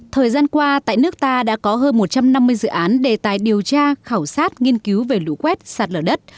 thời gian qua tại nước ta đã có hơn một trăm năm mươi dự án đề tài điều tra khảo sát nghiên cứu về lũ quét sạt lở đất